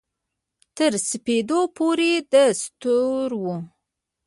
تر سپیدو پوري د ستورو